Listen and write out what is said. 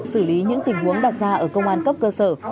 xử lý những tình huống đặt ra ở công an cấp cơ sở